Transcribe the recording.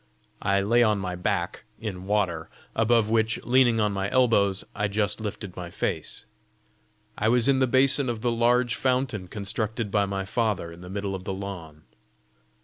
I lay on my back in water, above which, leaning on my elbows, I just lifted my face. I was in the basin of the large fountain constructed by my father in the middle of the lawn.